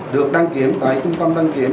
được đăng kiểm tại trung tâm đăng kiểm